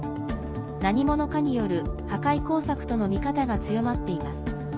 何者かによる破壊工作との見方が強まっています。